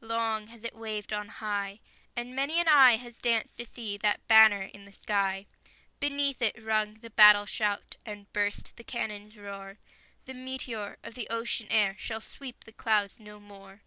Long has it waved on high, And many an eye has danced to see That banner in the sky; Beneath it rung the battle shout, And burst the cannon's roar; The meteor of the ocean air Shall sweep the clouds no more!